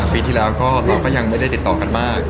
ปีที่แล้วก็เราก็ยังไม่ได้ติดต่อกันมาก